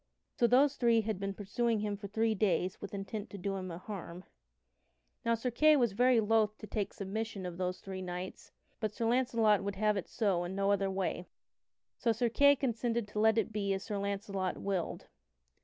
So those three had been pursuing him for three days with intent to do him a harm. [Sidenote: Sir Kay taketh submission of the three knights] Now Sir Kay was very loath to take submission of those three knights, but Sir Launcelot would have it so and no other way. So Sir Kay consented to let it be as Sir Launcelot willed.